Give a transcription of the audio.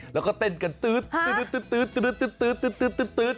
แล้วก็เต้นกันตื๊ด